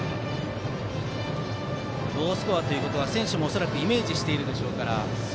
ロースコアということは選手も恐らくイメージしているでしょう。